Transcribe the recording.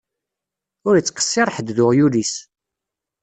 Ur ittqessir ḥedd d uɣyul-is.